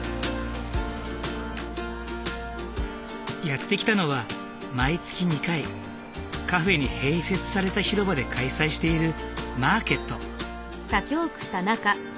やって来たのは毎月２回カフェに併設された広場で開催しているマーケット。